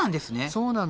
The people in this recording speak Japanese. そうなの。